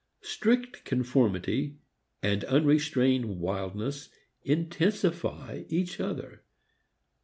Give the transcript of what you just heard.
Strict conformity and unrestrained wildness intensify each other.